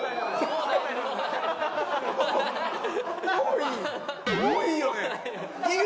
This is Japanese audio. もういい？